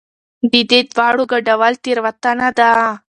د دې دواړو ګډول تېروتنه ده.